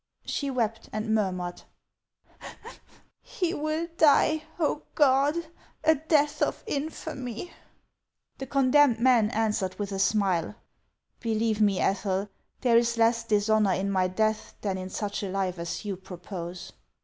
She wept, and murmured :" He will die, oh, God, a death of infamy !" The condemned man answered with a smile :" Believe me, Ethel, there is less dishonor in my death than in such a life as you propose."